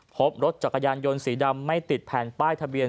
พบรถจักรยานยนต์สีดำไม่ติดแผ่นป้ายทะเบียน